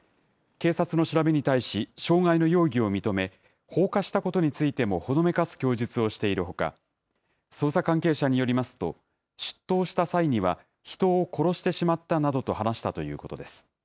警察の調べに対し、傷害の容疑を認め、放火したことについてもほのめかす供述をしているほか、捜査関係者によりますと、出頭した際には、人を殺してしまったなどと話したということです。